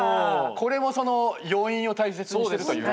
これもその余韻を大切にしてるというか。